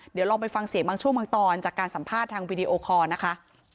เดี๋ยวลองไปฟังเสียงบางช่วงบางตอนจากการสัมภาษณ์ทางวีดีโอคอร์นะคะ